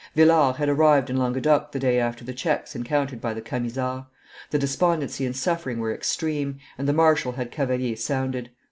Villars had arrived in Languedoc the day after the checks encountered by the Camisards. The despondency and suffering were extreme; and the marshal had Cavalier sounded.